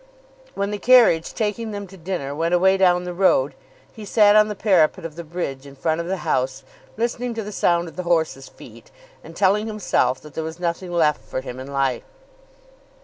When the carriage taking them to dinner went away down the road, he sat on the parapet of the bridge in front of the house listening to the sound of the horses' feet, and telling himself that there was nothing left for him in life.